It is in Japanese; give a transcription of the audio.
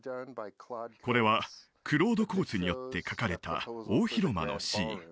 これはクロード・コーツによって描かれた大広間のシーン